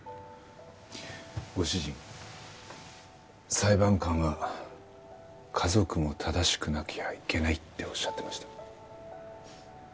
ご主人裁判官は家族も正しくなきゃいけないって仰ってました。